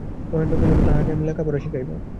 মহেন্দ্র কহিল, তাহাকে আমি লেখাপড়া শিখাইব।